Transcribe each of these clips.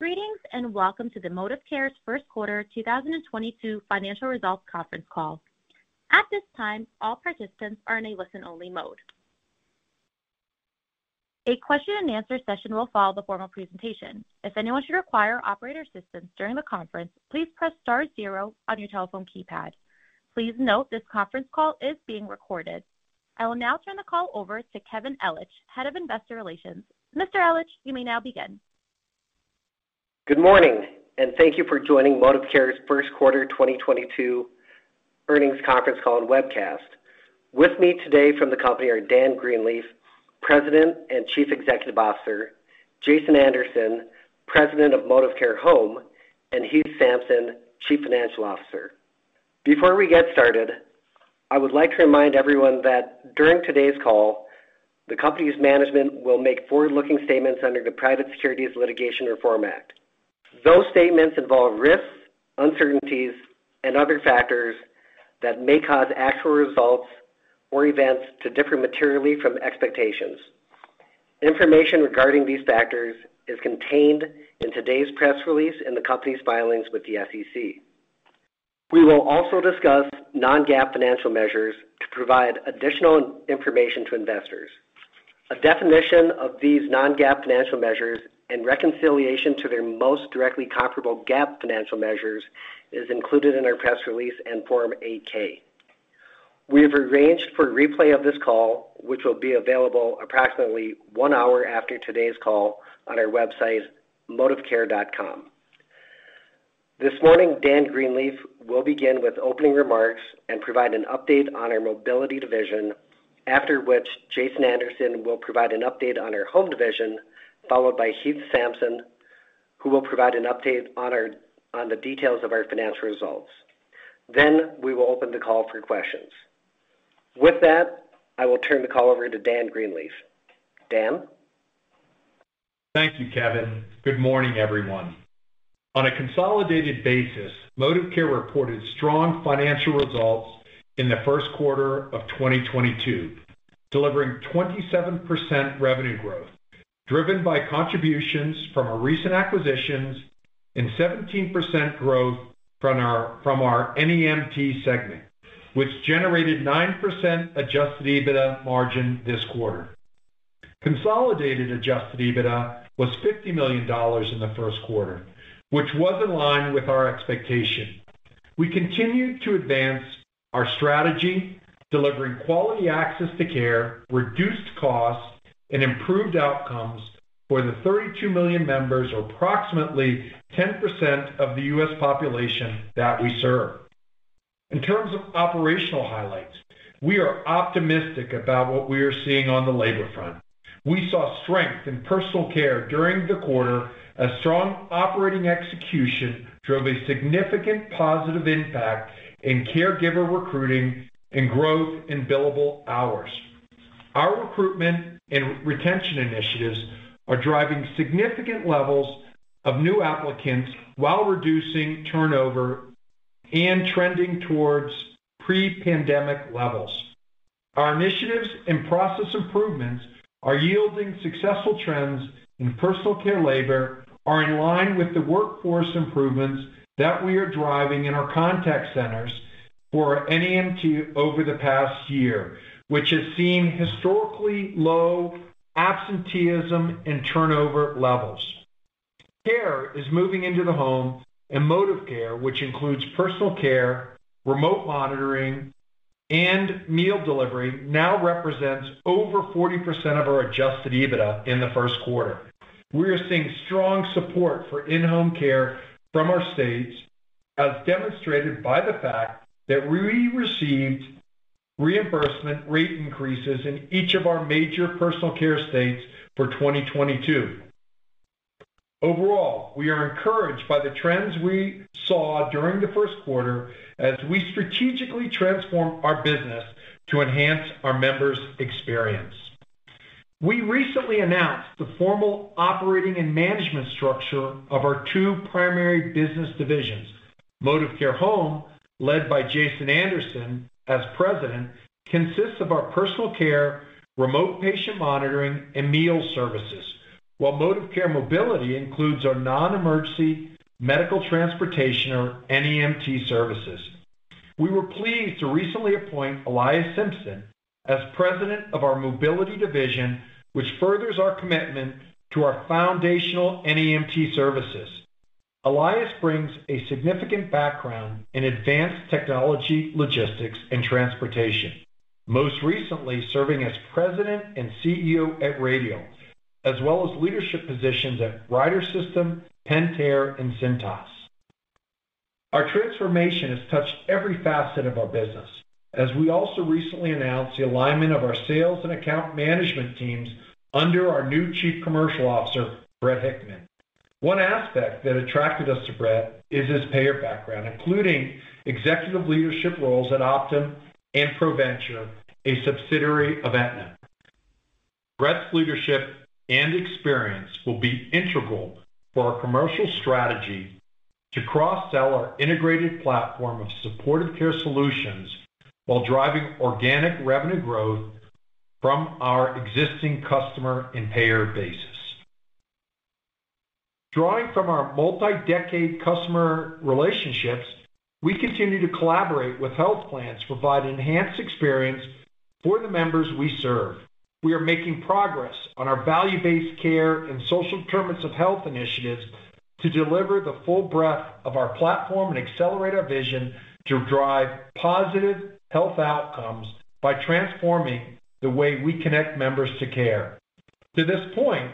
Greetings, and welcome to ModivCare's first quarter 2022 financial results conference call. At this time, all participants are in a listen-only mode. A question and answer session will follow the formal presentation. If anyone should require operator assistance during the conference, please press star zero on your telephone keypad. Please note this conference call is being recorded. I will now turn the call over to Kevin Ellich, Head of Investor Relations. Mr. Ellich, you may now begin. Good morning, and thank you for joining ModivCare's first quarter 2022 earnings conference call and webcast. With me today from the company are Dan Greenleaf, President and Chief Executive Officer, Jason Anderson, President of ModivCare Home, and Heath Sampson, Chief Financial Officer. Before we get started, I would like to remind everyone that during today's call, the company's management will make forward-looking statements under the Private Securities Litigation Reform Act. Those statements involve risks, uncertainties, and other factors that may cause actual results or events to differ materially from expectations. Information regarding these factors is contained in today's press release in the company's filings with the SEC. We will also discuss non-GAAP financial measures to provide additional information to investors. A definition of these non-GAAP financial measures and reconciliation to their most directly comparable GAAP financial measures is included in our press release and Form 8-K. We have arranged for a replay of this call, which will be available approximately one hour after today's call on our website, modivcare.com. This morning, Dan Greenleaf will begin with opening remarks and provide an update on our mobility division. After which, Jason Anderson will provide an update on our home division, followed by Heath Sampson, who will provide an update on the details of our financial results. We will open the call for questions. With that, I will turn the call over to Dan Greenleaf. Dan. Thank you, Kevin. Good morning, everyone. On a consolidated basis, ModivCare reported strong financial results in the first quarter of 2022, delivering 27% revenue growth, driven by contributions from our recent acquisitions and 17% growth from our NEMT segment, which generated 9% adjusted EBITDA margin this quarter. Consolidated adjusted EBITDA was $50 million in the first quarter, which was in line with our expectation. We continued to advance our strategy, delivering quality access to care, reduced costs, and improved outcomes for the 32 million members or approximately 10% of the U.S. population that we serve. In terms of operational highlights, we are optimistic about what we are seeing on the labor front. We saw strength in personal care during the quarter as strong operating execution drove a significant positive impact in caregiver recruiting and growth in billable hours. Our recruitment and retention initiatives are driving significant levels of new applicants while reducing turnover and trending towards pre-pandemic levels. Our initiatives and process improvements are yielding successful trends in personal care labor, are in line with the workforce improvements that we are driving in our contact centers for NEMT over the past year, which has seen historically low absenteeism and turnover levels. Care is moving into the home, and ModivCare, which includes personal care, remote monitoring, and meal delivery, now represents over 40% of our adjusted EBITDA in the first quarter. We are seeing strong support for in-home care from our states, as demonstrated by the fact that we received reimbursement rate increases in each of our major personal care states for 2022. Overall, we are encouraged by the trends we saw during the first quarter as we strategically transform our business to enhance our members' experience. We recently announced the formal operating and management structure of our two primary business divisions. ModivCare Home, led by Jason Anderson as President, consists of our personal care, remote patient monitoring, and meal services, while ModivCare Mobility includes our non-emergency medical transportation or NEMT services. We were pleased to recently appoint Ilias Simpson as President of our Mobility Division, which furthers our commitment to our foundational NEMT services. Ilias brings a significant background in advanced technology, logistics, and transportation. Most recently, serving as President and CEO at Radial, as well as leadership positions at Ryder System, Pentair, and Cintas. Our transformation has touched every facet of our business, as we also recently announced the alignment of our sales and account management teams under our new Chief Commercial Officer, Brett Hickman. One aspect that attracted us to Brett is his payer background, including executive leadership roles at Optum and ProviDRs Care, a subsidiary of Aetna. Brett's leadership and experience will be integral for our commercial strategy to cross-sell our integrated platform of supportive care solutions while driving organic revenue growth from our existing customer and payer basis. Drawing from our multi-decade customer relationships, we continue to collaborate with health plans to provide an enhanced experience for the members we serve. We are making progress on our value-based care and social determinants of health initiatives to deliver the full breadth of our platform and accelerate our vision to drive positive health outcomes by transforming the way we connect members to care. To this point,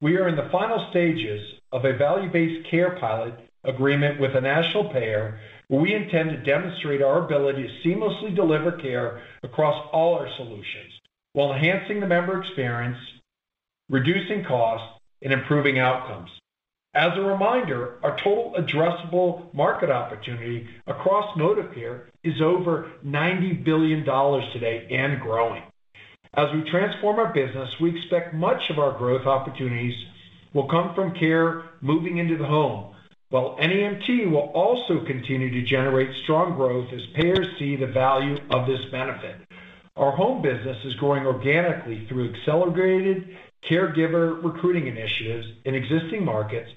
we are in the final stages of a value-based care pilot agreement with a national payer, where we intend to demonstrate our ability to seamlessly deliver care across all our solutions while enhancing the member experience, reducing costs, and improving outcomes. As a reminder, our total addressable market opportunity across ModivCare is over $90 billion today and growing. As we transform our business, we expect much of our growth opportunities will come from care moving into the home, while NEMT will also continue to generate strong growth as payers see the value of this benefit. Our home business is growing organically through accelerated caregiver recruiting initiatives in existing markets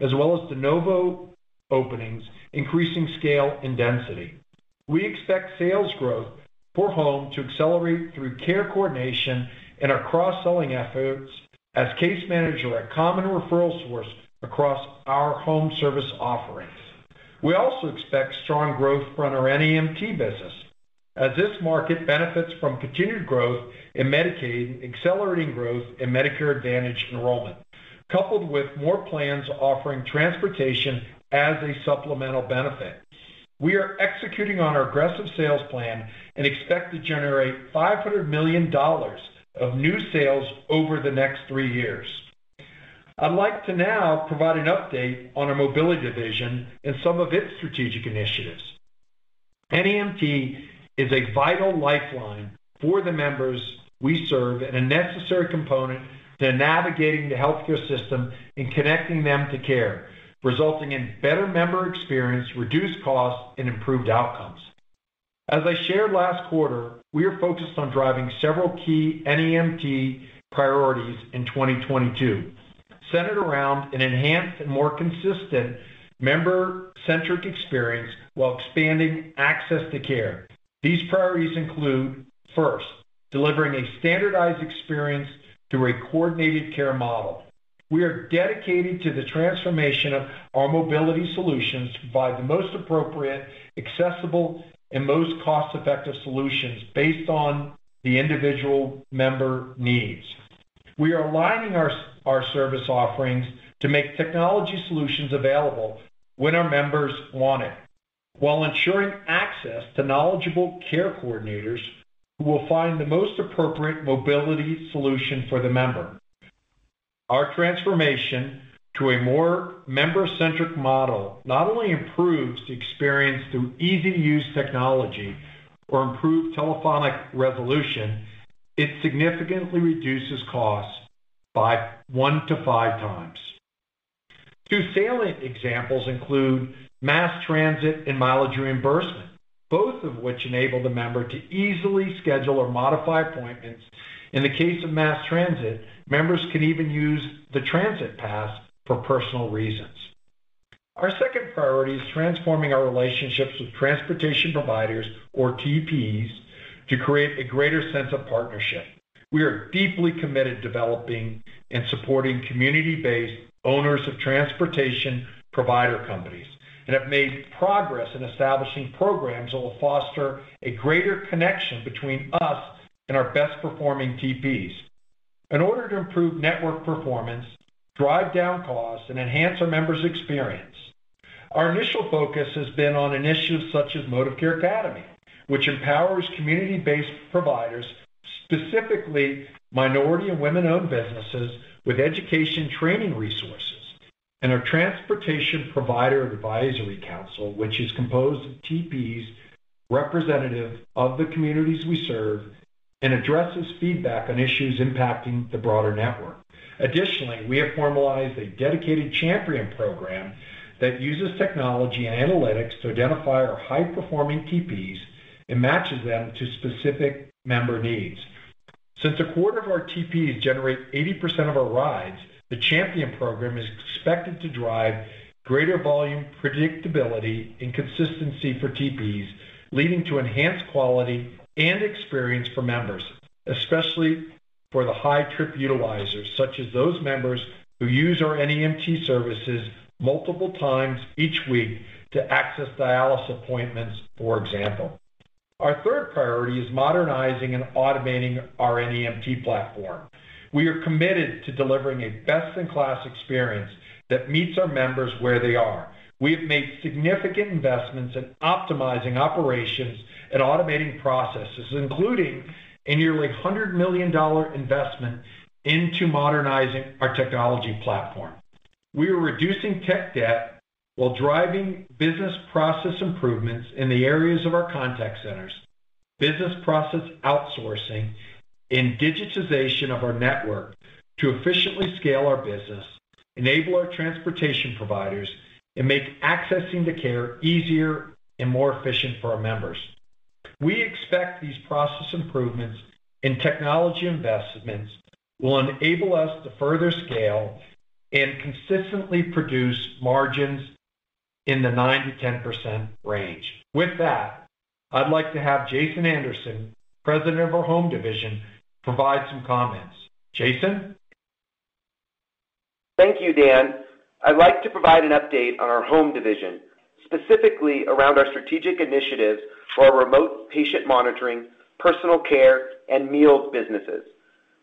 as well as de novo openings, increasing scale and density. We expect sales growth for home to accelerate through care coordination and our cross-selling efforts as case manager, a common referral source across our home service offerings. We also expect strong growth from our NEMT business as this market benefits from continued growth in Medicaid, accelerating growth in Medicare Advantage enrollment, coupled with more plans offering transportation as a supplemental benefit. We are executing on our aggressive sales plan and expect to generate $500 million of new sales over the next three years. I'd like to now provide an update on our mobility division and some of its strategic initiatives. NEMT is a vital lifeline for the members we serve and a necessary component to navigating the healthcare system and connecting them to care, resulting in better member experience, reduced costs, and improved outcomes. As I shared last quarter, we are focused on driving several key NEMT priorities in 2022, centered around an enhanced and more consistent member-centric experience while expanding access to care. These priorities include, first, delivering a standardized experience through a coordinated care model. We are dedicated to the transformation of our mobility solutions to provide the most appropriate, accessible, and most cost-effective solutions based on the individual member needs. We are aligning our service offerings to make technology solutions available when our members want it, while ensuring access to knowledgeable care coordinators who will find the most appropriate mobility solution for the member. Our transformation to a more member-centric model not only improves the experience through easy-to-use technology or improved telephonic resolution, it significantly reduces costs by 1-5x. Two salient examples include mass transit and mileage reimbursement, both of which enable the member to easily schedule or modify appointments. In the case of mass transit, members can even use the transit pass for personal reasons. Our second priority is transforming our relationships with transportation providers or TPs to create a greater sense of partnership. We are deeply committed to developing and supporting community-based owners of transportation provider companies and have made progress in establishing programs that will foster a greater connection between us and our best performing TPs. In order to improve network performance, drive down costs, and enhance our members' experience, our initial focus has been on initiatives such as ModivCare Academy, which empowers community-based providers, specifically minority and women-owned businesses with educational training resources, and our Transportation Provider Advisory Council, which is composed of TPs representative of the communities we serve and addresses feedback on issues impacting the broader network. Additionally, we have formalized a dedicated champion program that uses technology and analytics to identify our high-performing TPs and matches them to specific member needs. Since a quarter of our TPs generate 80% of our rides, the Champion program is expected to drive greater volume predictability and consistency for TPs, leading to enhanced quality and experience for members, especially for the high trip utilizers, such as those members who use our NEMT services multiple times each week to access dialysis appointments, for example. Our third priority is modernizing and automating our NEMT platform. We are committed to delivering a best-in-class experience that meets our members where they are. We have made significant investments in optimizing operations and automating processes, including a nearly $100 million investment into modernizing our technology platform. We are reducing tech debt while driving business process improvements in the areas of our contact centers, business process outsourcing, and digitization of our network to efficiently scale our business, enable our transportation providers, and make accessing the care easier and more efficient for our members. We expect these process improvements and technology investments will enable us to further scale and consistently produce margins in the 9%-10% range. With that, I'd like to have Jason Anderson, President of our Home Division, provide some comments. Jason? Thank you, Dan. I'd like to provide an update on our Home Division, specifically around our strategic initiatives for our remote patient monitoring, personal care, and meals businesses.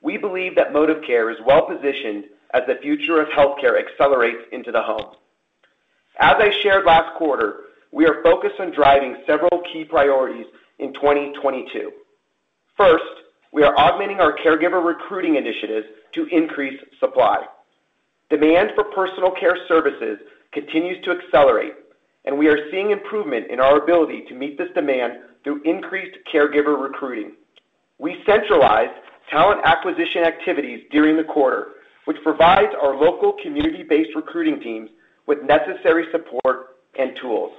We believe that ModivCare is well-positioned as the future of healthcare accelerates into the home. As I shared last quarter, we are focused on driving several key priorities in 2022. First, we are augmenting our caregiver recruiting initiatives to increase supply. Demand for personal care services continues to accelerate, and we are seeing improvement in our ability to meet this demand through increased caregiver recruiting. We centralized talent acquisition activities during the quarter, which provides our local community-based recruiting teams with necessary support and tools.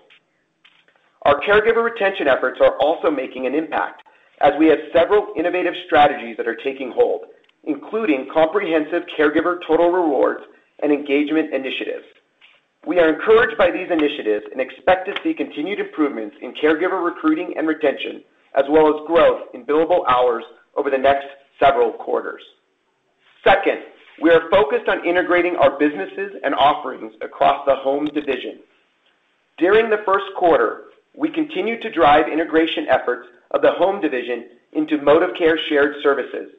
Our caregiver retention efforts are also making an impact as we have several innovative strategies that are taking hold, including comprehensive caregiver total rewards and engagement initiatives. We are encouraged by these initiatives and expect to see continued improvements in caregiver recruiting and retention, as well as growth in billable hours over the next several quarters. Second, we are focused on integrating our businesses and offerings across the Home Division. During the first quarter, we continued to drive integration efforts of the Home Division into ModivCare Shared Services.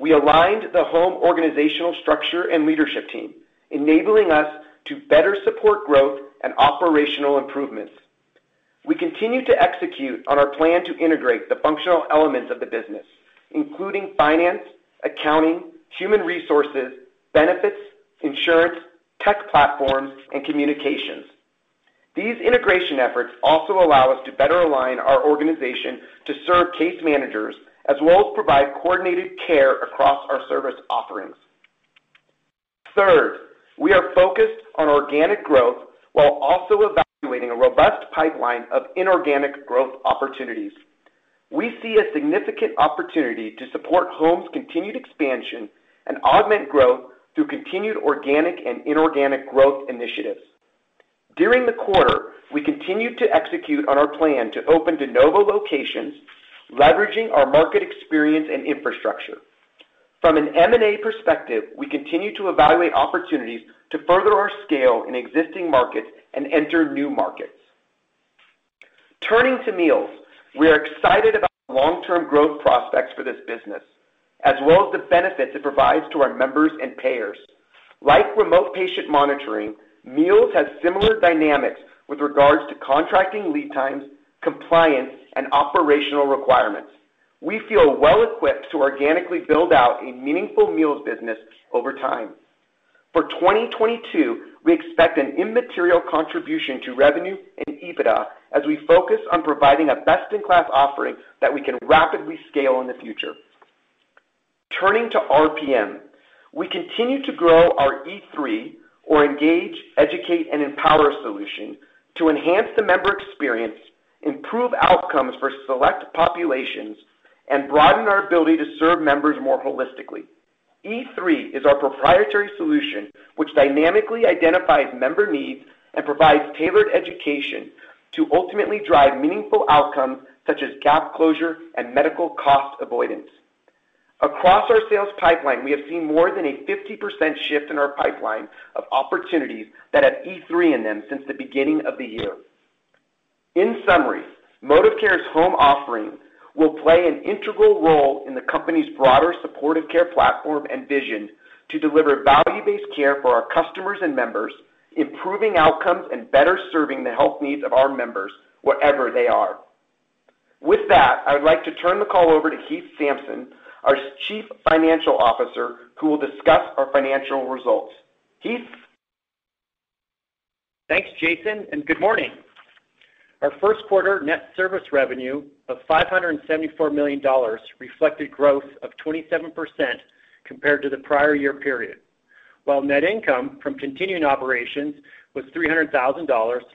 We aligned the home organizational structure and leadership team, enabling us to better support growth and operational improvements. We continue to execute on our plan to integrate the functional elements of the business, including finance, accounting, human resources, benefits, insurance, tech platforms, and communications. These integration efforts also allow us to better align our organization to serve case managers, as well as provide coordinated care across our service offerings. Third, we are focused on organic growth while also evaluating a robust pipeline of inorganic growth opportunities. We see a significant opportunity to support Home's continued expansion and augment growth through continued organic and inorganic growth initiatives. During the quarter, we continued to execute on our plan to open de novo locations, leveraging our market experience and infrastructure. From an M&A perspective, we continue to evaluate opportunities to further our scale in existing markets and enter new markets. Turning to meals, we are excited about long-term growth prospects for this business, as well as the benefits it provides to our members and payers. Like remote patient monitoring, meals has similar dynamics with regards to contracting lead times, compliance, and operational requirements. We feel well-equipped to organically build out a meaningful meals business over time. For 2022, we expect an immaterial contribution to revenue and EBITDA as we focus on providing a best-in-class offering that we can rapidly scale in the future. Turning to RPM, we continue to grow our E3, or Engage, Educate, and Empower solution to enhance the member experience, improve outcomes for select populations, and broaden our ability to serve members more holistically. E3 is our proprietary solution which dynamically identifies member needs and provides tailored education to ultimately drive meaningful outcomes such as gap closure and medical cost avoidance. Across our sales pipeline, we have seen more than a 50% shift in our pipeline of opportunities that have E3 in them since the beginning of the year. In summary, ModivCare's home offerings will play an integral role in the company's broader supportive care platform and vision to deliver value-based care for our customers and members, improving outcomes and better serving the health needs of our members wherever they are. With that, I would like to turn the call over to Heath Sampson, our Chief Financial Officer, who will discuss our financial results. Heath? Thanks, Jason, and good morning. Our first quarter net service revenue of $574 million reflected growth of 27% compared to the prior year period, while net income from continuing operations was $300,000,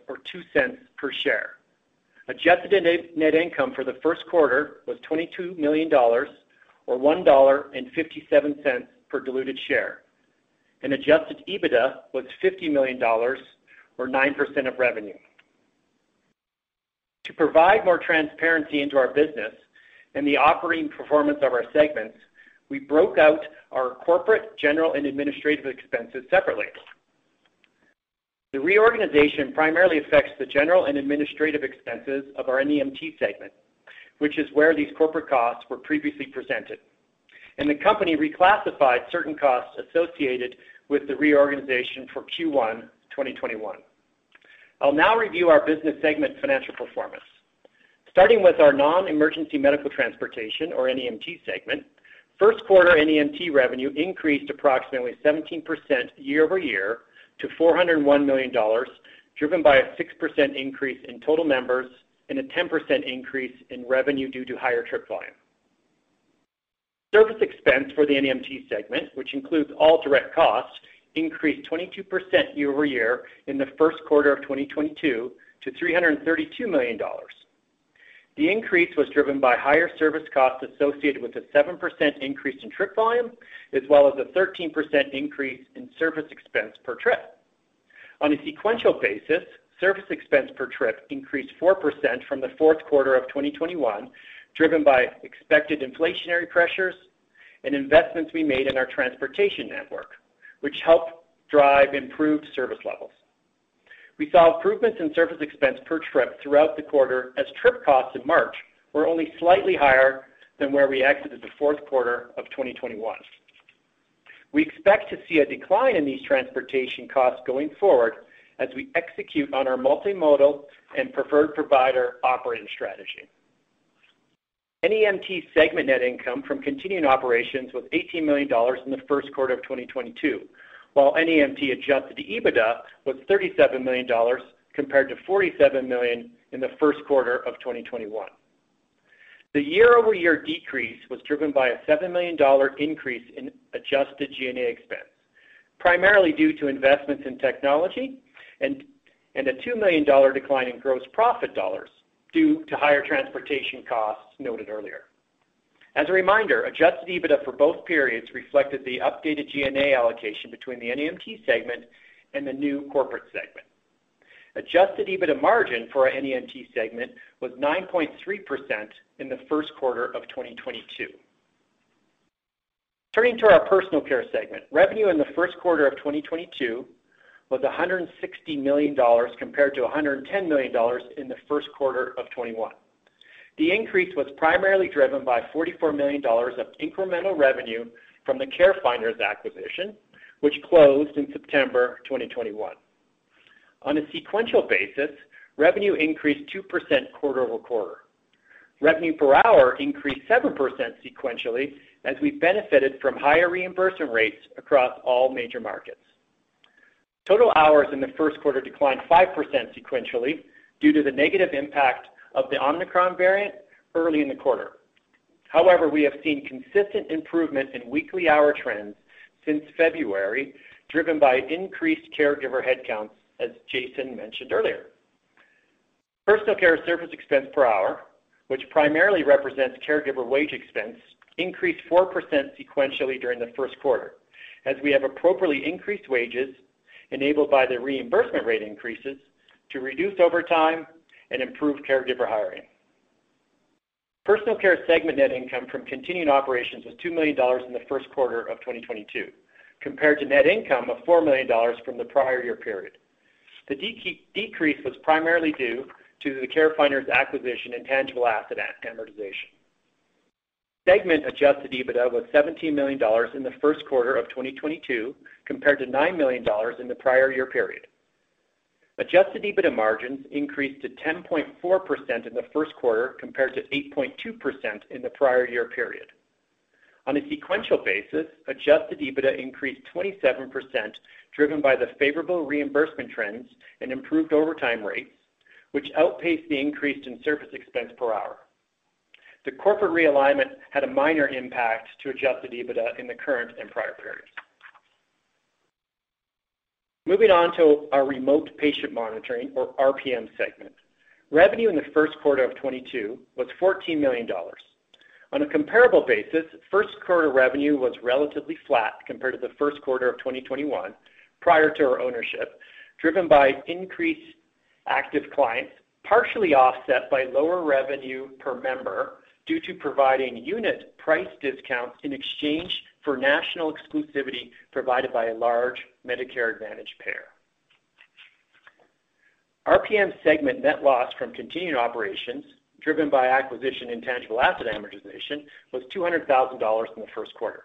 or $0.02 per share. Adjusted net income for the first quarter was $22 million, or $1.57 per diluted share, and adjusted EBITDA was $50 million, or 9% of revenue. To provide more transparency into our business and the operating performance of our segments, we broke out our corporate, general, and administrative expenses separately. The reorganization primarily affects the general and administrative expenses of our NEMT segment, which is where these corporate costs were previously presented, and the company reclassified certain costs associated with the reorganization for Q1 2021. I'll now review our business segment financial performance. Starting with our non-emergency medical transportation, or NEMT segment, first quarter NEMT revenue increased approximately 17% year-over-year to $401 million, driven by a 6% increase in total members and a 10% increase in revenue due to higher trip volume. Service expense for the NEMT segment, which includes all direct costs, increased 22% year-over-year in the first quarter of 2022 to $332 million. The increase was driven by higher service costs associated with a 7% increase in trip volume, as well as a 13% increase in service expense per trip. On a sequential basis, service expense per trip increased 4% from the fourth quarter of 2021, driven by expected inflationary pressures and investments we made in our transportation network, which helped drive improved service levels. We saw improvements in service expense per trip throughout the quarter as trip costs in March were only slightly higher than where we exited the fourth quarter of 2021. We expect to see a decline in these transportation costs going forward as we execute on our multimodal and preferred provider operating strategy. NEMT segment net income from continuing operations was $18 million in the first quarter of 2022, while NEMT adjusted EBITDA was $37 million compared to $47 million in the first quarter of 2021. The year-over-year decrease was driven by a $7 million increase in adjusted G&A expense, primarily due to investments in technology and a $2 million decline in gross profit dollars due to higher transportation costs noted earlier. As a reminder, adjusted EBITDA for both periods reflected the updated G&A allocation between the NEMT segment and the new corporate segment. Adjusted EBITDA margin for our NEMT segment was 9.3% in the first quarter of 2022. Turning to our personal care segment, revenue in the first quarter of 2022 was $160 million compared to $110 million in the first quarter of 2021. The increase was primarily driven by $44 million of incremental revenue from the CareFinders acquisition, which closed in September 2021. On a sequential basis, revenue increased 2% quarter-over-quarter. Revenue per hour increased 7% sequentially as we benefited from higher reimbursement rates across all major markets. Total hours in the first quarter declined 5% sequentially due to the negative impact of the Omicron variant early in the quarter. However, we have seen consistent improvement in weekly hour trends since February, driven by increased caregiver headcounts, as Jason mentioned earlier. Personal care service expense per hour, which primarily represents caregiver wage expense, increased 4% sequentially during the first quarter as we have appropriately increased wages enabled by the reimbursement rate increases to reduce overtime and improve caregiver hiring. Personal care segment net income from continuing operations was $2 million in the first quarter of 2022 compared to net income of $4 million from the prior year period. The decrease was primarily due to the CareFinders acquisition and tangible asset amortization. Segment adjusted EBITDA was $17 million in the first quarter of 2022 compared to $9 million in the prior year period. Adjusted EBITDA margins increased to 10.4% in the first quarter compared to 8.2% in the prior year period. On a sequential basis, adjusted EBITDA increased 27%, driven by the favorable reimbursement trends and improved overtime rates, which outpaced the increase in service expense per hour. The corporate realignment had a minor impact to adjusted EBITDA in the current and prior periods. Moving on to our remote patient monitoring or RPM segment. Revenue in the first quarter of 2022 was $14 million. On a comparable basis, first quarter revenue was relatively flat compared to the first quarter of 2021 prior to our ownership, driven by increased active clients, partially offset by lower revenue per member due to providing unit price discounts in exchange for national exclusivity provided by a large Medicare Advantage payer. RPM segment net loss from continuing operations driven by acquisition intangible asset amortization was $200,000 in the first quarter.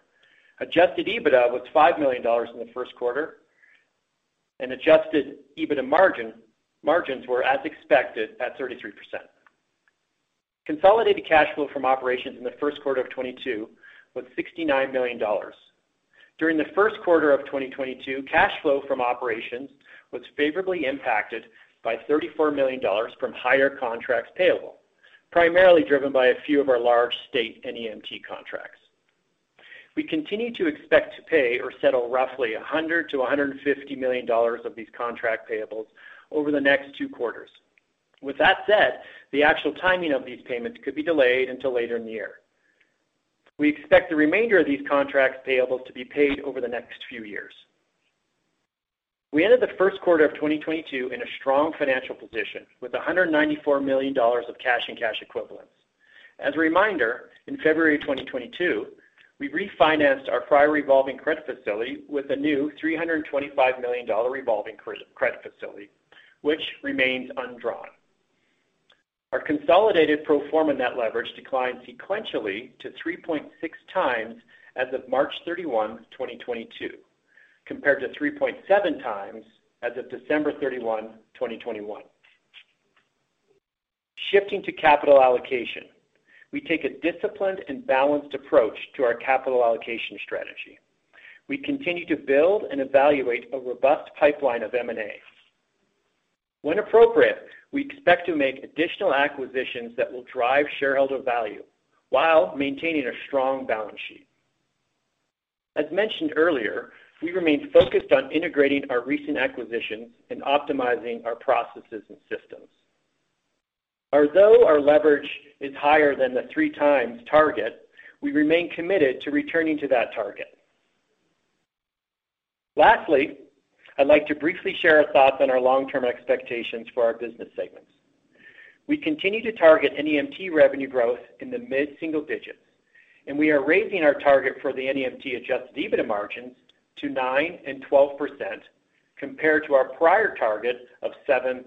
Adjusted EBITDA was $5 million in the first quarter, and adjusted EBITDA margins were as expected at 33%. Consolidated cash flow from operations in the first quarter of 2022 was $69 million. During the first quarter of 2022, cash flow from operations was favorably impacted by $34 million from higher contracts payable, primarily driven by a few of our large state NEMT contracts. We continue to expect to pay or settle roughly $100 million-$150 million of these contract payables over the next two quarters. With that said, the actual timing of these payments could be delayed until later in the year. We expect the remainder of these contract payables to be paid over the next few years. We ended the first quarter of 2022 in a strong financial position with $194 million of cash and cash equivalents. As a reminder, in February 2022, we refinanced our prior revolving credit facility with a new $325 million revolving credit facility, which remains undrawn. Our consolidated pro forma net leverage declined sequentially to 3.6x as of March 31, 2022, compared to 3.7x as of December 31, 2021. Shifting to capital allocation. We take a disciplined and balanced approach to our capital allocation strategy. We continue to build and evaluate a robust pipeline of M&A. When appropriate, we expect to make additional acquisitions that will drive shareholder value while maintaining a strong balance sheet. As mentioned earlier, we remain focused on integrating our recent acquisitions and optimizing our processes and systems. Although our leverage is higher than the 3x target, we remain committed to returning to that target. Lastly, I'd like to briefly share our thoughts on our long-term expectations for our business segments. We continue to target NEMT revenue growth in the mid-single digits, and we are raising our target for the NEMT adjusted EBITDA margins to 9%-12% compared to our prior target of 7%-10%,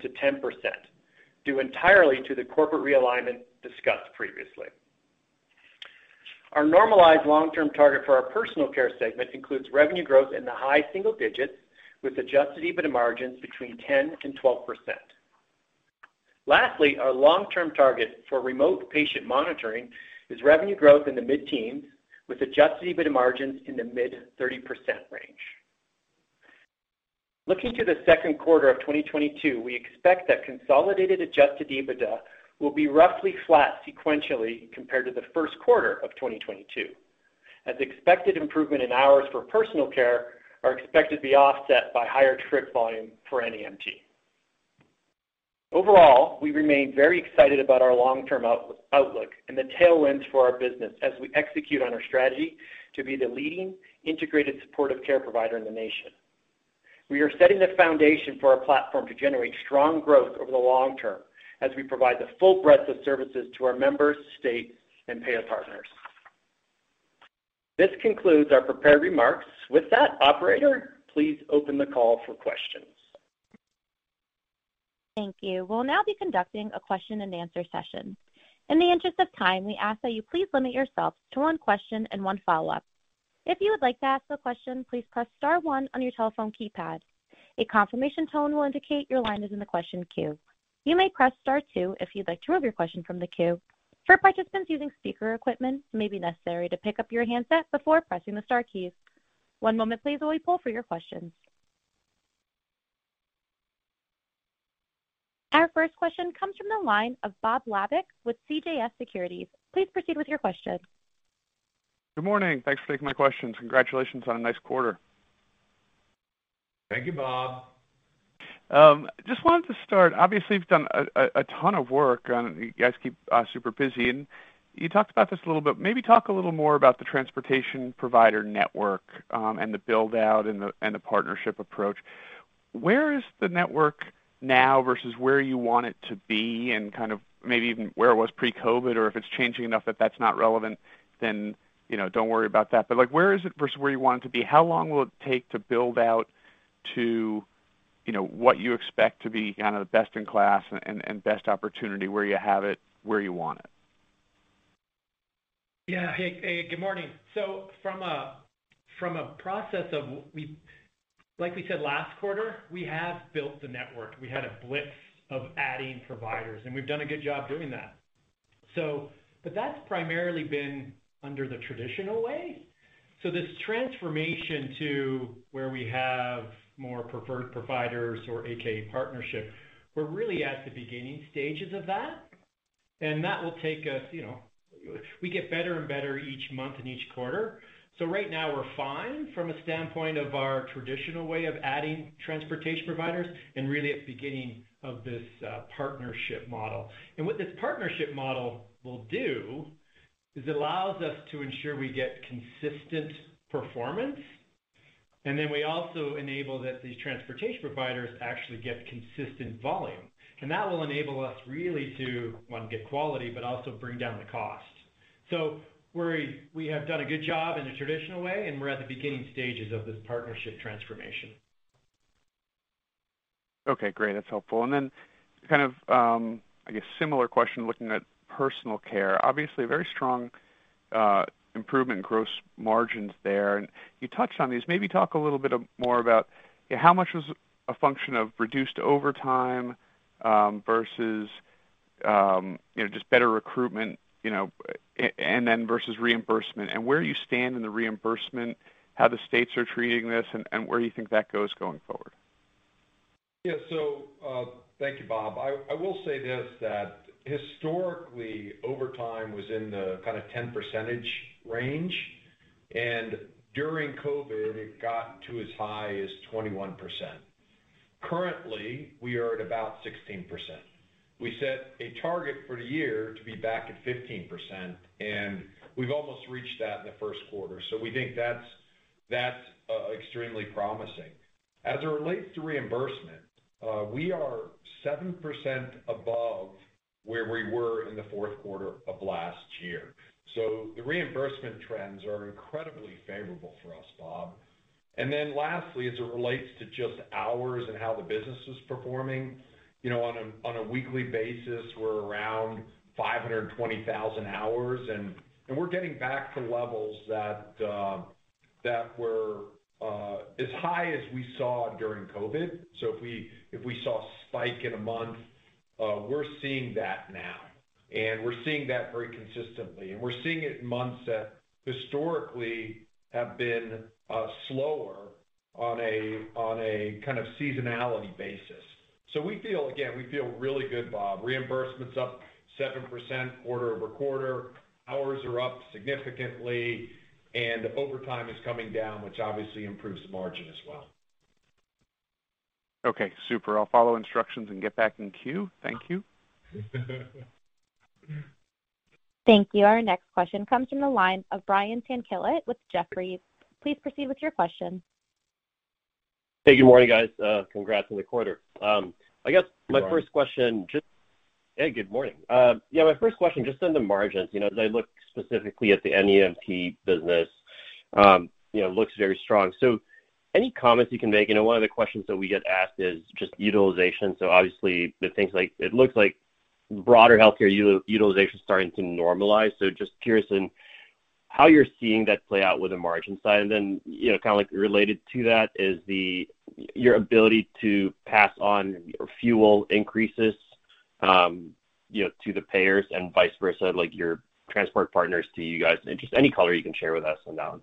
due entirely to the corporate realignment discussed previously. Our normalized long-term target for our personal care segment includes revenue growth in the high single digits with adjusted EBITDA margins between 10%-12%. Lastly, our long-term target for remote patient monitoring is revenue growth in the mid-teens with adjusted EBITDA margins in the mid-30% range. Looking to the second quarter of 2022, we expect that consolidated adjusted EBITDA will be roughly flat sequentially compared to the first quarter of 2022, as expected improvement in hours for personal care are expected to be offset by higher trip volume for NEMT. Overall, we remain very excited about our long-term outlook and the tailwinds for our business as we execute on our strategy to be the leading integrated supportive care provider in the nation. We are setting the foundation for our platform to generate strong growth over the long term as we provide the full breadth of services to our members, state, and payer partners. This concludes our prepared remarks. With that, operator, please open the call for questions. Thank you. We'll now be conducting a question-and-answer session. In the interest of time, we ask that you please limit yourself to one question and one follow-up. If you would like to ask a question, please press star one on your telephone keypad. A confirmation tone will indicate your line is in the question queue. You may press star two if you'd like to remove your question from the queue. For participants using speaker equipment, it may be necessary to pick up your handset before pressing the star keys. One moment please, while we poll for your questions. Our first question comes from the line of Bob Labick with CJS Securities. Please proceed with your question. Good morning. Thanks for taking my questions. Congratulations on a nice quarter. Thank you, Bob. Just wanted to start. Obviously, you've done a ton of work, and you guys keep super busy. You talked about this a little bit. Maybe talk a little more about the transportation provider network and the build-out and the partnership approach. Where is the network now versus where you want it to be and kind of maybe even where it was pre-COVID? Or if it's changing enough that that's not relevant, then you know, don't worry about that. Like, where is it versus where you want it to be? How long will it take to build out to you know, what you expect to be kind of best in class and best opportunity, where you have it, where you want it? Yeah. Hey. Good morning. From a process, like we said last quarter, we have built the network. We had a blitz of adding providers, and we've done a good job doing that. That's primarily been under the traditional way. This transformation to where we have more preferred providers or aka partnership, we're really at the beginning stages of that, and that will take us, you know. We get better and better each month and each quarter. Right now we're fine from a standpoint of our traditional way of adding transportation providers and really at the beginning of this partnership model. What this partnership model will do is it allows us to ensure we get consistent performance, and then we also enable that these transportation providers actually get consistent volume. That will enable us really to, one, get quality, but also bring down the cost. We have done a good job in a traditional way, and we're at the beginning stages of this partnership transformation. Okay, great. That's helpful. Then kind of, I guess similar question looking at personal care. Obviously, very strong improvement in gross margins there. You touched on these. Maybe talk a little bit more about how much was a function of reduced overtime versus, you know, just better recruitment, you know, and then versus reimbursement. Where do you stand in the reimbursement, how the states are treating this, and where do you think that goes going forward? Yeah. Thank you, Bob. I will say this, that historically, overtime was in the kind of 10% range, and during COVID, it got to as high as 21%. Currently, we are at about 16%. We set a target for the year to be back at 15%, and we've almost reached that in the first quarter. We think that's extremely promising. As it relates to reimbursement, we are 7% above where we were in the fourth quarter of last year. The reimbursement trends are incredibly favorable for us, Bob. Then lastly, as it relates to just hours and how the business is performing, you know, on a weekly basis, we're around 520,000 hours, and we're getting back to levels that were as high as we saw during COVID. If we saw a spike in a month We're seeing that now, and we're seeing that very consistently, and we're seeing it in months that historically have been slower on a kind of seasonality basis. We feel, again, really good, Bob. Reimbursement's up 7% quarter-over-quarter, hours are up significantly, and overtime is coming down, which obviously improves the margin as well. Okay, super. I'll follow instructions and get back in queue. Thank you. Thank you. Our next question comes from the line of Brian Tanquilut with Jefferies. Please proceed with your question. Hey, good morning, guys. Congrats on the quarter. I guess my first question just- Good morning. Hey, good morning. Yeah, my first question, just on the margins. You know, as I look specifically at the NEMT business, you know, looks very strong. So any comments you can make? You know, one of the questions that we get asked is just utilization. So obviously, it looks like broader healthcare utilization is starting to normalize. So just curious in how you're seeing that play out with the margin side. And then, you know, kinda like related to that is your ability to pass on your fuel increases, you know, to the payers and vice versa, like your transport partners to you guys. Just any color you can share with us on that one.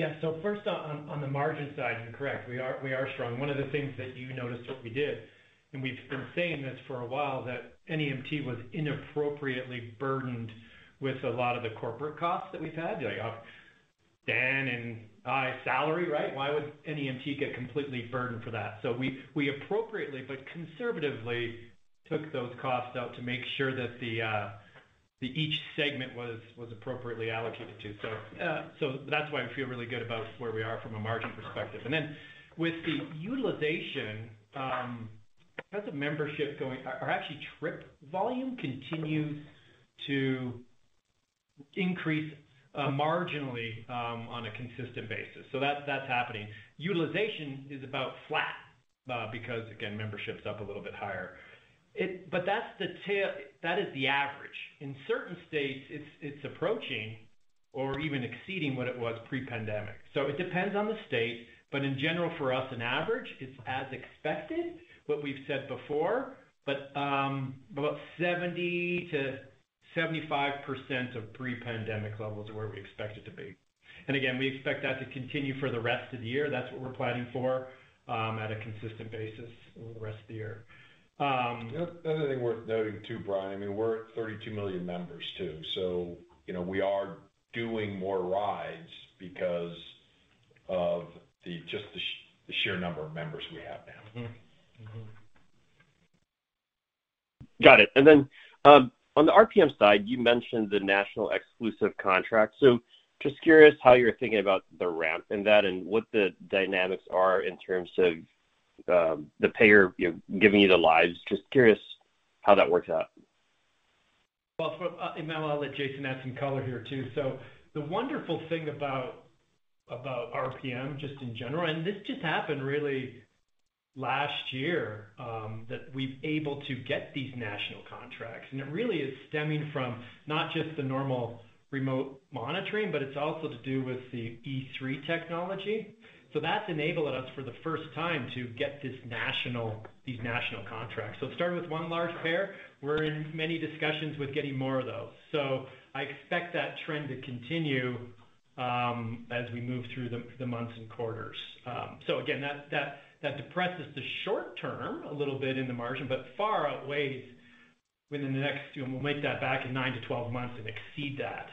Yeah. First on the margin side, you're correct, we are strong. One of the things that you noticed what we did, and we've been saying this for a while, that NEMT was inappropriately burdened with a lot of the corporate costs that we've had. Like, Dan and I salary, right? Why would NEMT get completely burdened for that? We appropriately but conservatively took those costs out to make sure that each segment was appropriately allocated to. That's why we feel really good about where we are from a margin perspective. With the utilization, as membership or actually trip volume continues to increase marginally on a consistent basis. That's happening. Utilization is about flat because, again, membership's up a little bit higher. That's the tail. That is the average. In certain states, it's approaching or even exceeding what it was pre-pandemic. It depends on the state, but in general, for us, an average is as expected, what we've said before, but about 70%-75% of pre-pandemic levels are where we expect it to be. Again, we expect that to continue for the rest of the year. That's what we're planning for at a consistent basis over the rest of the year. The other thing worth noting too, Brian, I mean, we're at 32 million members too. You know, we are doing more rides because of just the sheer number of members we have now. Mm-hmm. Mm-hmm. Got it. On the RPM side, you mentioned the national exclusive contract. Just curious how you're thinking about the ramp in that and what the dynamics are in terms of, the payer, you know, giving you the lives. Just curious how that works out. I'll let Jason add some color here too. The wonderful thing about RPM just in general, and this just happened really last year, that we're able to get these national contracts, and it really is stemming from not just the normal remote monitoring, but it's also to do with the E3 technology. That's enabling us for the first time to get these national contracts. It started with one large payer. We're in many discussions with getting more of those. I expect that trend to continue, as we move through the months and quarters. Again, that depresses the short-term a little bit in the margin, but far outweighs within the next two, and we'll make that back in 9-12 months and exceed that.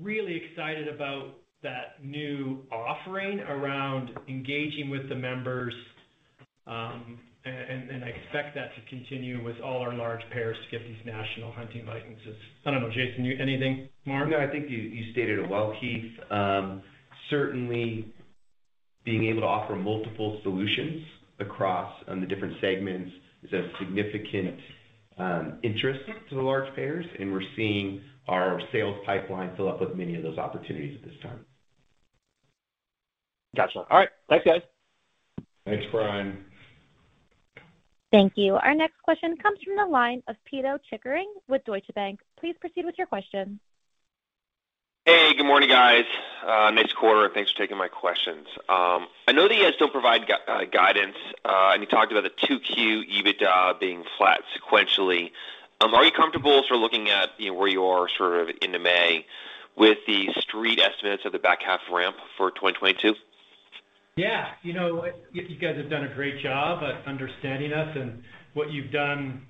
Really excited about that new offering around engaging with the members, and I expect that to continue with all our large payers to get these national hunting licenses. I don't know, Jason. Anything more? No, I think you stated it well, Heath. Certainly being able to offer multiple solutions across the different segments is of significant interest to the large payers, and we're seeing our sales pipeline fill up with many of those opportunities at this time. Gotcha. All right. Thanks, guys. Thanks, Brian. Thank you. Our next question comes from the line of Pito Chickering with Deutsche Bank. Please proceed with your question. Hey, good morning, guys. Nice quarter, and thanks for taking my questions. I know that you guys don't provide guidance, and you talked about the 2Q EBITDA being flat sequentially. Are you comfortable sort of looking at, you know, where you are sort of into May with the street estimates of the back half ramp for 2022? Yeah. You know, you guys have done a great job at understanding us and what you've done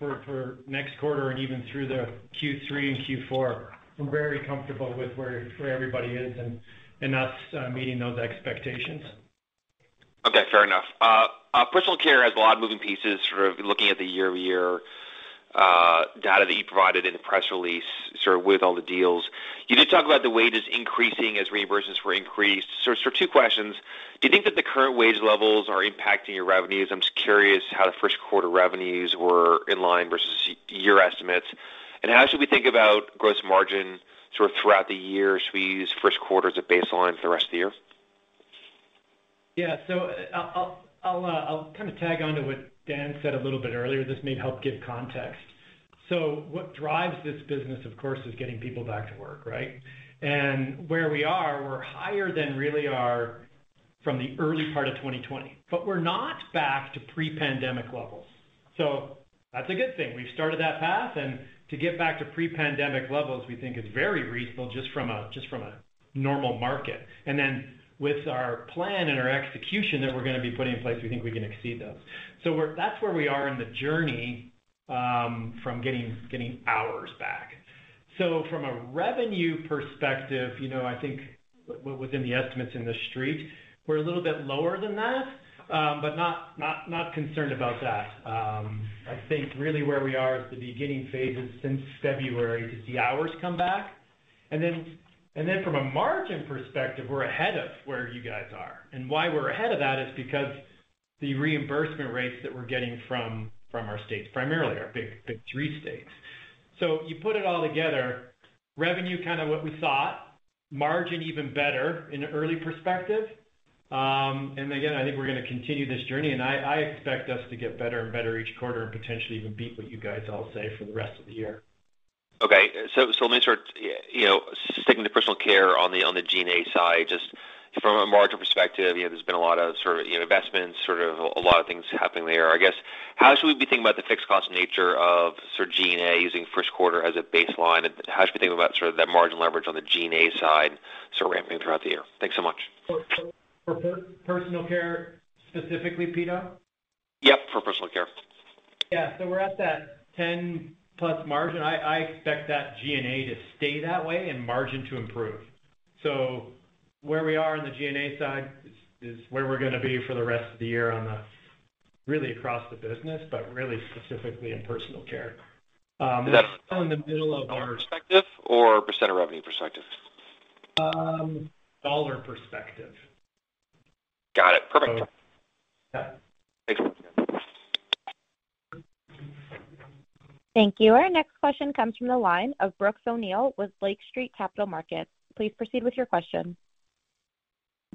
for next quarter and even through the Q3 and Q4. I'm very comfortable with where everybody is and us meeting those expectations. Okay. Fair enough. Personal care has a lot of moving pieces, sort of looking at the year-over-year data that you provided in the press release, sort of with all the deals. You did talk about the wages increasing as reimbursements were increased. Two questions: Do you think that the current wage levels are impacting your revenues? I'm just curious how the first quarter revenues were in line versus your estimates. How should we think about gross margin sort of throughout the year? Should we use first quarter as a baseline for the rest of the year? Yeah. I'll kinda tag on to what Dan said a little bit earlier. This may help give context. What drives this business, of course, is getting people back to work, right? Where we are, we're higher than we were from the early part of 2020, but we're not back to pre-pandemic levels. That's a good thing. We've started that path. To get back to pre-pandemic levels, we think is very reasonable just from a normal market. Then with our plan and our execution that we're gonna be putting in place, we think we can exceed those. That's where we are in the journey from getting hours back. From a revenue perspective, you know, I think within the estimates on the Street, we're a little bit lower than that, but not concerned about that. I think really where we are is the beginning phases since February to see hours come back. Then from a margin perspective, we're ahead of where you guys are. Why we're ahead of that is because the reimbursement rates that we're getting from our states, primarily our big three states. You put it all together, revenue, kind of what we thought, margin even better in an early perspective. Again, I think we're gonna continue this journey, and I expect us to get better and better each quarter and potentially even beat what you guys all say for the rest of the year. Okay. Let me start, you know, sticking to personal care on the G&A side, just from a margin perspective. You know, there's been a lot of sort of, you know, investments, sort of a lot of things happening there. I guess, how should we be thinking about the fixed cost nature of sort of G&A using first quarter as a baseline, and how should we think about sort of that margin leverage on the G&A side sort of ramping throughout the year? Thanks so much. For personal care specifically, Pito? Yep. For personal care. We're at that 10%+ margin. I expect that G&A to stay that way and margin to improve. Where we are on the G&A side is where we're gonna be for the rest of the year, really across the business, but really specifically in personal care. We're still in the middle of our. Dollar perspective or percent of revenue perspective? Dollar perspective. Got it. Perfect. Yeah. Thanks. Thank you. Our next question comes from the line of Brooks O'Neil with Lake Street Capital Markets. Please proceed with your question.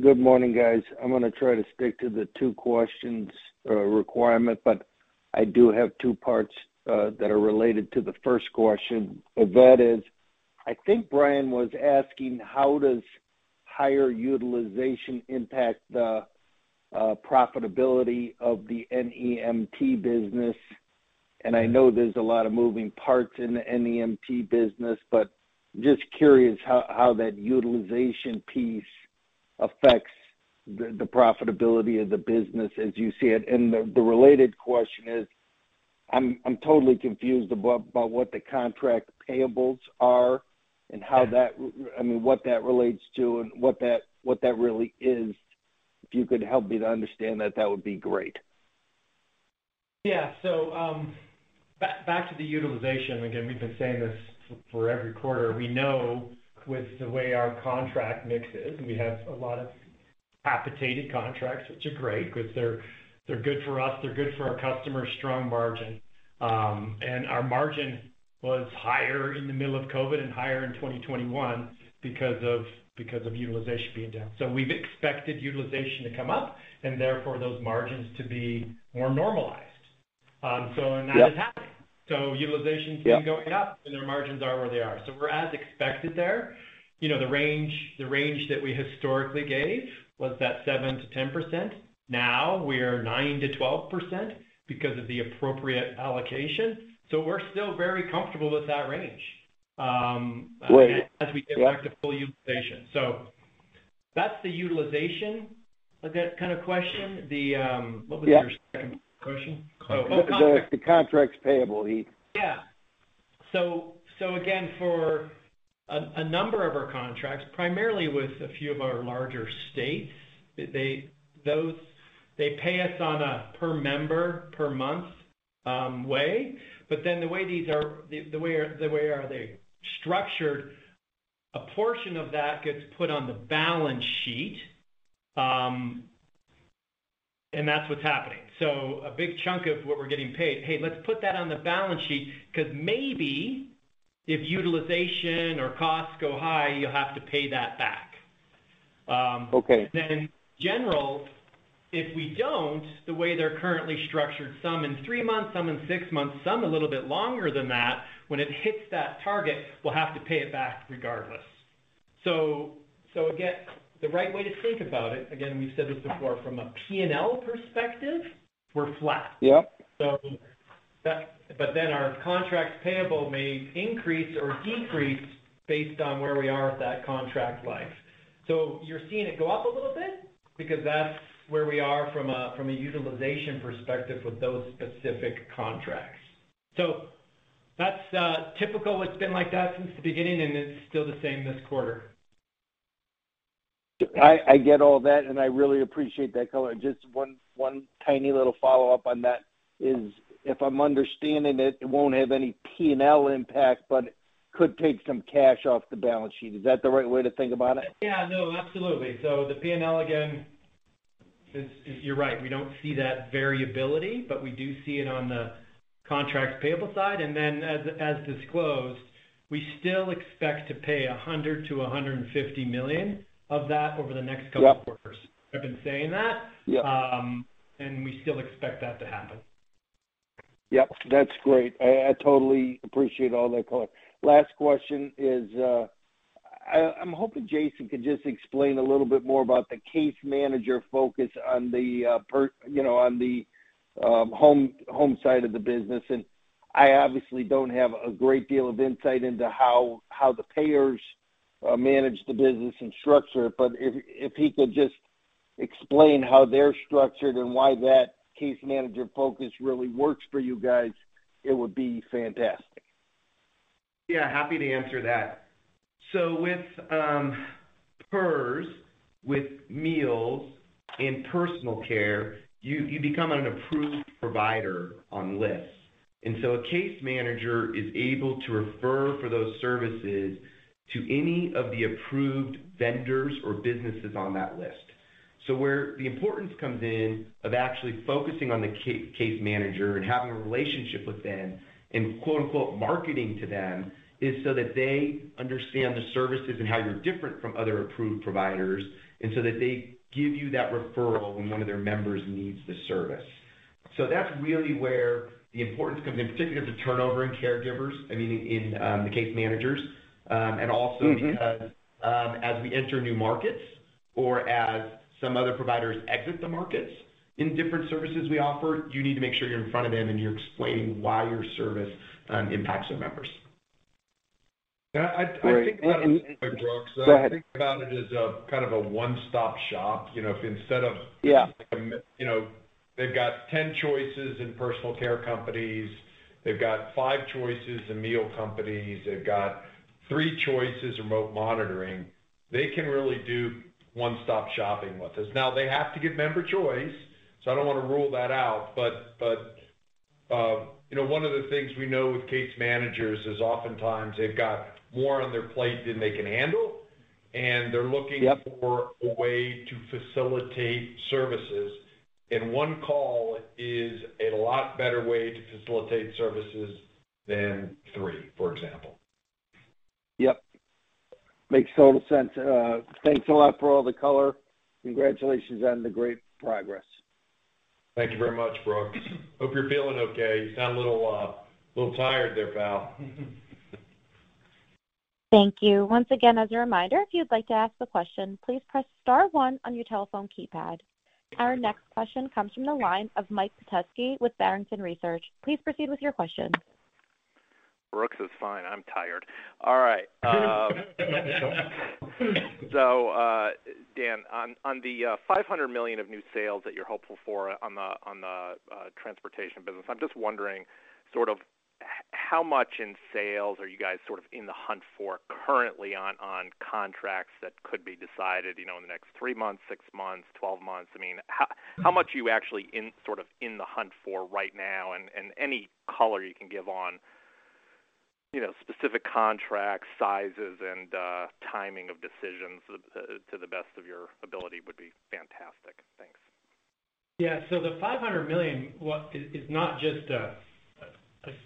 Good morning, guys. I'm gonna try to stick to the two questions requirement, but I do have two parts that are related to the first question. That is, I think Brian was asking how does higher utilization impact the profitability of the NEMT business? I know there's a lot of moving parts in the NEMT business, but just curious how that utilization piece affects the profitability of the business as you see it. The related question is, I'm totally confused about what the contract payables are and how that relates to and what that really is. If you could help me to understand that would be great. Yeah. Back to the utilization. Again, we've been saying this for every quarter. We know with the way our contract mix is, and we have a lot of capitated contracts, which are great 'cause they're good for us, they're good for our customers, strong margin. Our margin was higher in the middle of COVID and higher in 2021 because of utilization being down. We've expected utilization to come up and therefore those margins to be more normalized. That is happening. Yep. Utilization's been going up, and our margins are where they are. We're as expected there. You know, the range that we historically gave was that 7%-10%. Now we're 9%-12% because of the appropriate allocation. We're still very comfortable with that range as we get back to full utilization. That's the utilization, like that kind of question. What was your second question? Oh, contracts. The contracts payable piece. Yeah. Again, for a number of our contracts, primarily with a few of our larger states, they pay us on a per member per month way. The way they are structured, a portion of that gets put on the balance sheet. That's what's happening. A big chunk of what we're getting paid, "Hey, let's put that on the balance sheet 'cause maybe if utilization or costs go high, you'll have to pay that back. Okay. In general, if we don't, the way they're currently structured, some in three months, some in six months, some a little bit longer than that, when it hits that target, we'll have to pay it back regardless. Again, the right way to think about it, again, we've said this before, from a P&L perspective, we're flat. Yep. Our contracts payable may increase or decrease based on where we are with that contract life. You're seeing it go up a little bit because that's where we are from a utilization perspective with those specific contracts. That's typical. It's been like that since the beginning, and it's still the same this quarter. I get all that, and I really appreciate that color. Just one tiny little follow-up on that is, if I'm understanding it won't have any P&L impact, but could take some cash off the balance sheet. Is that the right way to think about it? Yeah, no, absolutely. The P&L, again, is. You're right. We don't see that variability, but we do see it on the contracts payable side. As disclosed, we still expect to pay $100 million-$150 million of that over the next couple of quarters. Yep. I've been saying that. Yep. We still expect that to happen. Yep, that's great. I totally appreciate all that color. Last question is, I'm hoping Jason could just explain a little bit more about the case manager focus on the, you know, on the home side of the business. I obviously don't have a great deal of insight into how the payers manage the business and structure it, but if he could just explain how they're structured and why that case manager focus really works for you guys, it would be fantastic. Yeah, happy to answer that. With PERS, with meals and personal care, you become an approved provider on lists. A case manager is able to refer for those services to any of the approved vendors or businesses on that list. Where the importance comes in of actually focusing on the case manager and having a relationship with them and quote-unquote, marketing to them, is so that they understand the services and how you're different from other approved providers, and so that they give you that referral when one of their members needs the service. That's really where the importance comes in, particularly with the turnover in caregivers, I mean, in the case managers. Mm-hmm. Because, as we enter new markets or as some other providers exit the markets in different services we offer, you need to make sure you're in front of them and you're explaining why your service impacts their members. Yeah, I think about it. Great. By Brooks O'Neil. Go ahead. I think about it as a kind of a one-stop shop. You know, if instead of. Yeah. Like, you know, they've got 10 choices in personal care companies, they've got five choices in meal companies, they've got three choices remote monitoring. They can really do one-stop shopping with us. Now, they have to give member choice, so I don't wanna rule that out. But, you know, one of the things we know with case managers is oftentimes they've got more on their plate than they can handle, and they're looking. Yep. For a way to facilitate services, and one call is a lot better way to facilitate services than three, for example. Yep. Makes total sense. Thanks a lot for all the color. Congratulations on the great progress. Thank you very much, Brooks. Hope you're feeling okay. You sound a little tired there, pal. Thank you. Once again, as a reminder, if you'd like to ask a question, please press star one on your telephone keypad. Our next question comes from the line of Mike Petusky with Barrington Research. Please proceed with your question. Brooks is fine. I'm tired. All right. Dan, on the $500 million of new sales that you're hopeful for on the transportation business, I'm just wondering sort of how much in sales are you guys sort of in the hunt for currently on contracts that could be decided, you know, in the next three months, six months, 12 months? I mean, how much are you actually in, sort of in the hunt for right now? Any color you can give on, you know, specific contracts, sizes, and timing of decisions to the best of your ability would be fantastic. Thanks. Yeah. The $500 million is not just a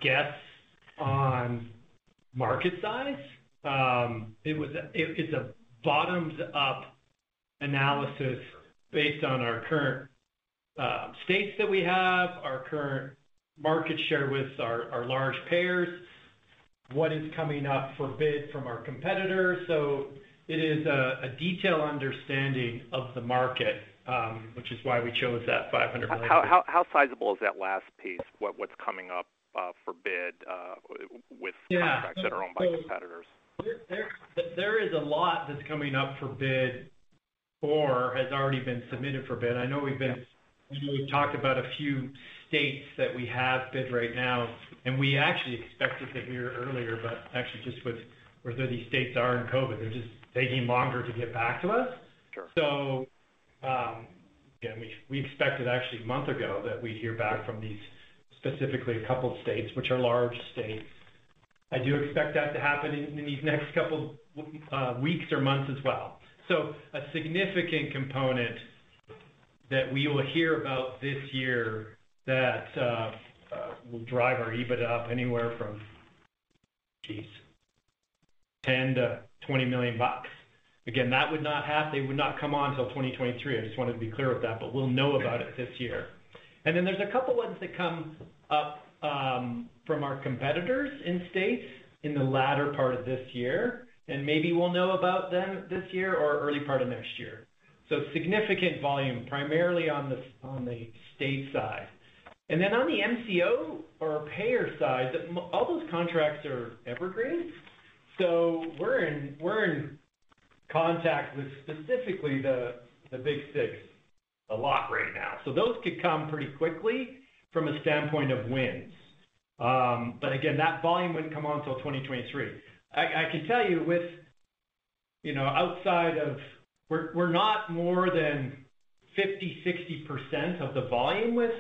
guess on market size. It is a bottoms-up analysis based on our current states that we have, our current market share with our large payers, what is coming up for bid from our competitors. It is a detailed understanding of the market, which is why we chose that $500 million. How sizable is that last piece? What's coming up for bid with contracts that are owned by competitors? There is a lot that's coming up for bid or has already been submitted for bid. I know, you know, we've talked about a few states that we have bid right now, and we actually expected to hear earlier, but actually just with where these states are in COVID, they're just taking longer to get back to us. Sure. Again, we expected actually months ago that we'd hear back from these specifically a couple of states, which are large states. I do expect that to happen in these next couple weeks or months as well. A significant component that we will hear about this year that will drive our EBIT up anywhere from, geez, $10 million-$20 million. Again, they would not come on till 2023. I just wanted to be clear with that, but we'll know about it this year. Then there's a couple ones that come up from our competitors in states in the latter part of this year, and maybe we'll know about them this year or early part of next year. Significant volume, primarily on the state side. On the MCO or payer side, all those contracts are evergreen, so we're in contact with specifically the big six a lot right now. Those could come pretty quickly from a standpoint of wins. Again, that volume wouldn't come on till 2023. I can tell you know. We're not more than 50%-60% of the volume with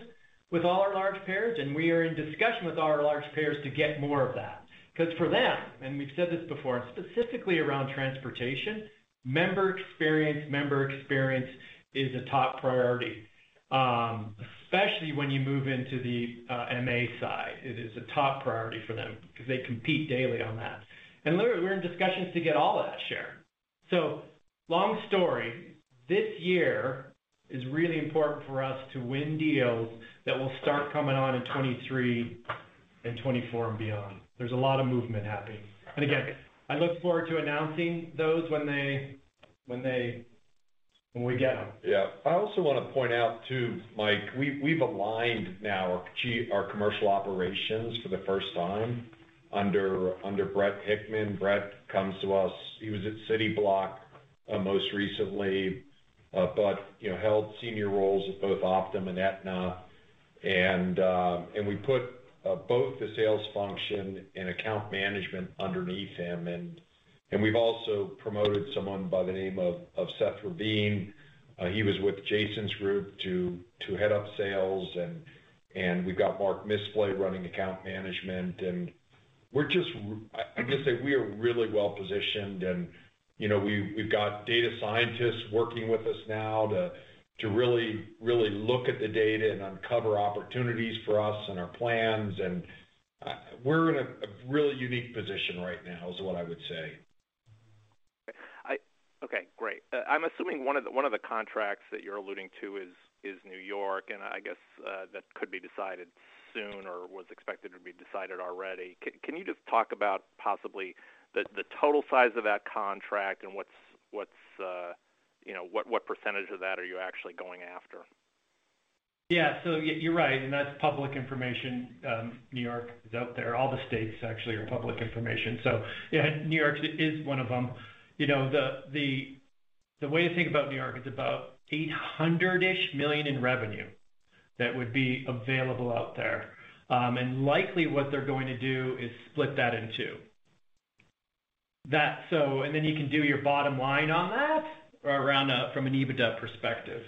all our large payers, and we are in discussion with all our large payers to get more of that. 'Cause for them, and we've said this before, and specifically around transportation, member experience is a top priority. Especially when you move into the MA side, it is a top priority for them because they compete daily on that. Literally, we're in discussions to get all of that share. Long story, this year is really important for us to win deals that will start coming on in 2023 and 2024 and beyond. There's a lot of movement happening. Again, I look forward to announcing those when we get them. Yeah. I also wanna point out too, Mike, we've aligned now our commercial operations for the first time under Brett Hickman. Brett comes to us. He was at Cityblock most recently, but you know held senior roles at both Optum and Aetna. We put both the sales function and account management underneath him. We've also promoted someone by the name of Seth Rabine. He was with Jason's group to head up sales and we've got Mark Mispelah running account management. We're just. I just say we are really well positioned and you know we've got data scientists working with us now to really look at the data and uncover opportunities for us and our plans. We're in a really unique position right now, is what I would say. Okay, great. I'm assuming one of the contracts that you're alluding to is New York, and I guess that could be decided soon or was expected to be decided already. Can you just talk about possibly the total size of that contract and what's, you know, what percentage of that are you actually going after? Yeah. You're right, and that's public information. New York is out there. All the states actually are public information. Yeah, New York is one of them. You know, the way to think about New York, it's about $800 million in revenue that would be available out there. And likely what they're going to do is split that in two. And then you can do your bottom line on that around, from an EBITDA perspective.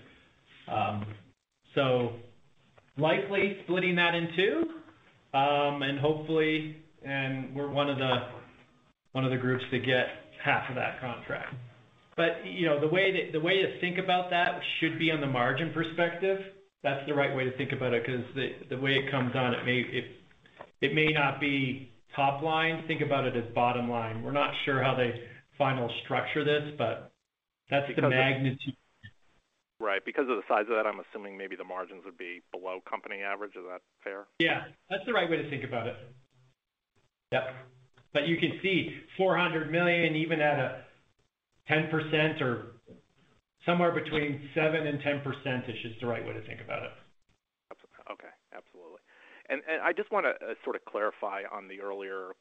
So likely splitting that in two. And hopefully, we're one of the groups to get half of that contract. You know, the way to think about that should be on the margin perspective. That's the right way to think about it 'cause the way it comes on, it may not be top line. Think about it as bottom line. We're not sure how they finally structure this, but that's the magnitude. Right. Because of the size of that, I'm assuming maybe the margins would be below company average. Is that fair? Yeah, that's the right way to think about it. Yep. You can see $400 million even at a 10% or somewhere between 7%-10%, I should say, is the right way to think about it. Okay. Absolutely. I just wanna sort of clarify on the earlier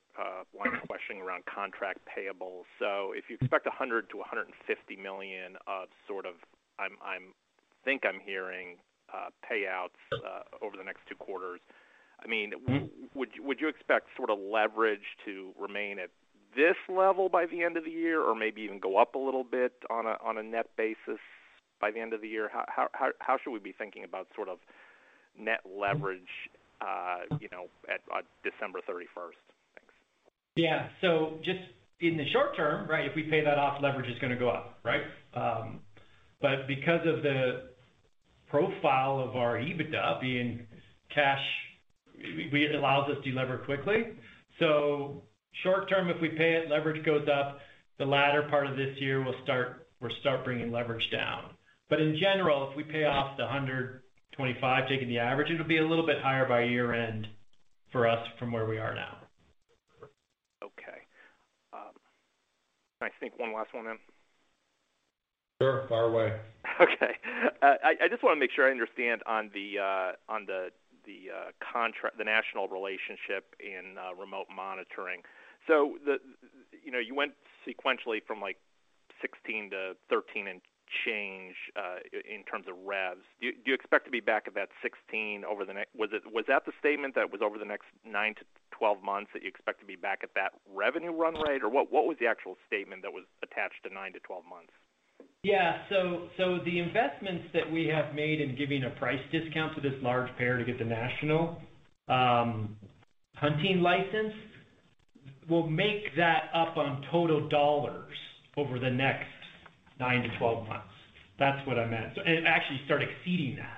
line of questioning around contract payables. If you expect $100 million-$150 million of sort of, I think I'm hearing, payouts over the next two quarters, I mean. Mm-hmm. Would you expect sort of leverage to remain at this level by the end of the year or maybe even go up a little bit on a net basis by the end of the year? How should we be thinking about sort of net leverage, you know, at December 31st? Thanks. Yeah. Just in the short-term, right, if we pay that off, leverage is gonna go up, right? Because of the profile of our EBITDA being cash, it allows us to lever quickly. Short-term, if we pay it, leverage goes up. The latter part of this year, we'll start bringing leverage down. In general, if we pay off the $125, taking the average, it'll be a little bit higher by year-end for us from where we are now. Okay. Can I sneak one last one in? Sure. Fire away. Okay. I just wanna make sure I understand on the contract, the national relationship in remote monitoring. You know, you went sequentially from like 16-13 and change in terms of revs. Do you expect to be back at that 16 over the next 9-12 months? Was that the statement that was over the next 9-12 months that you expect to be back at that revenue run rate? Or what was the actual statement that was attached to 9-12 months? The investments that we have made in giving a price discount to this large payer to get the national hunting license will make that up on total dollars over the next 9-12 months. That's what I meant. Actually start exceeding that.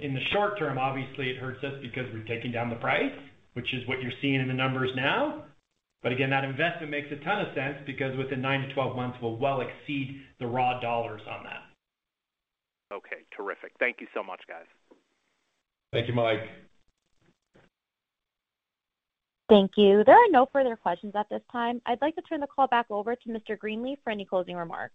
In the short-term, obviously, it hurts us because we're taking down the price, which is what you're seeing in the numbers now. Again, that investment makes a ton of sense because within 9-12 months, we'll well exceed the raw dollars on that. Okay. Terrific. Thank you so much, guys. Thank you, Mike. Thank you. There are no further questions at this time. I'd like to turn the call back over to Mr. Greenleaf for any closing remarks.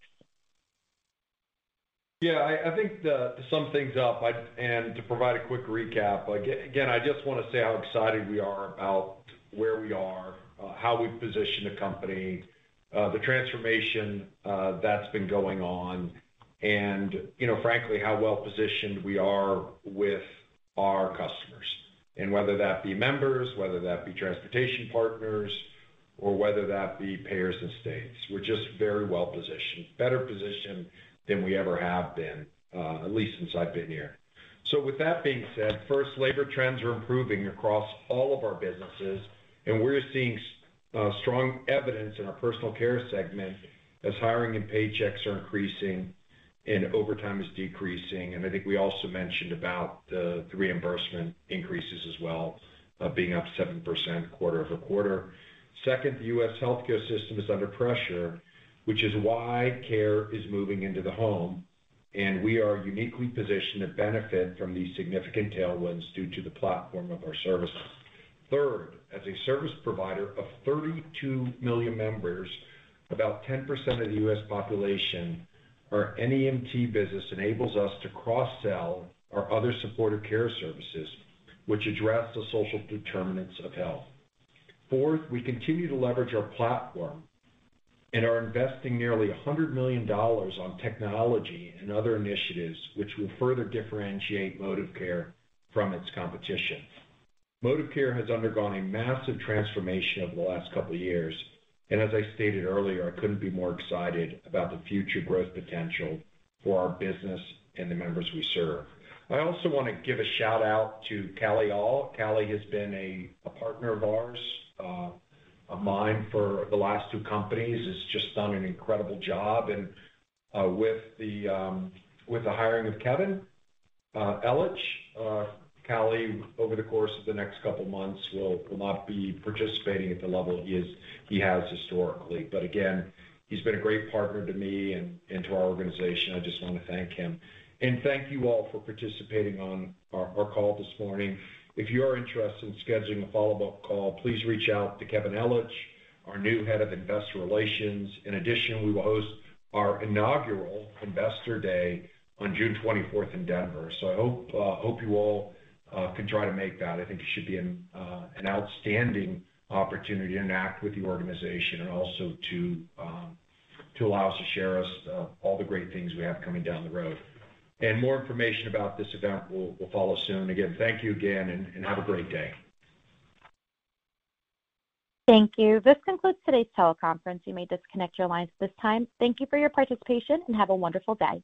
Yeah. I think to sum things up, and to provide a quick recap, like again, I just wanna say how excited we are about where we are, how we position the company, the transformation that's been going on, and you know, frankly, how well-positioned we are with our customers. Whether that be members, whether that be transportation partners, or whether that be payers and states. We're just very well-positioned. Better positioned than we ever have been, at least since I've been here. With that being said, first, labor trends are improving across all of our businesses, and we're seeing strong evidence in our personal care segment as hiring and paychecks are increasing. Overtime is decreasing. I think we also mentioned about the reimbursement increases as well, being up 7% quarter-over-quarter. Second, the U.S. healthcare system is under pressure, which is why care is moving into the home, and we are uniquely positioned to benefit from these significant tailwinds due to the platform of our services. Third, as a service provider of 32 million members, about 10% of the U.S. population, our NEMT business enables us to cross-sell our other supportive care services, which address the social determinants of health. Fourth, we continue to leverage our platform and are investing nearly $100 million on technology and other initiatives, which will further differentiate ModivCare from its competition. ModivCare has undergone a massive transformation over the last couple of years, and as I stated earlier, I couldn't be more excited about the future growth potential for our business and the members we serve. I also wanna give a shout-out to Cattie Aull. Callie has been a partner of ours, of mine for the last two companies. He's just done an incredible job. With the hiring of Kevin Ellich, Callie over the course of the next couple of months will not be participating at the level he has historically. Again, he's been a great partner to me and to our organization. I just wanna thank him. Thank you all for participating on our call this morning. If you are interested in scheduling a follow-up call, please reach out to Kevin Ellich, our new Head of Investor Relations. In addition, we will host our inaugural Investor Day on June 24th in Denver. I hope you all can try to make that. I think it should be an outstanding opportunity to interact with the organization and also to allow us to share all the great things we have coming down the road. More information about this event will follow soon. Again, thank you again, and have a great day. Thank you. This concludes today's teleconference. You may disconnect your lines at this time. Thank you for your participation, and have a wonderful day.